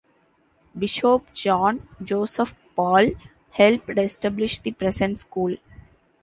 Bishop John Joseph Paul helped establish the present school.